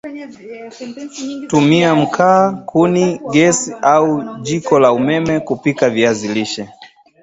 tumia Mkaa kuni gasi au jiko la umeme kupikia viazi lishe